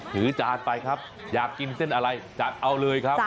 จานไปครับอยากกินเส้นอะไรจัดเอาเลยครับ